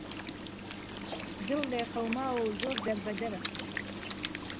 دڵ لێقەوماوه و زۆر دهر به دهره